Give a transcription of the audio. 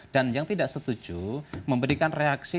dan yang tidak setuju memberikan reaksi